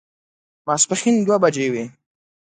ماسپښين دوه بجې وې.